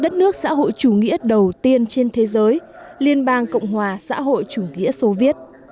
đất nước xã hội chủ nghĩa đầu tiên trên thế giới liên bang cộng hòa xã hội chủ nghĩa soviet